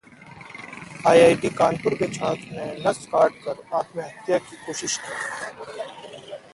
IIT Kanpur के छात्र ने नस काट कर आत्महत्या की कोशिश की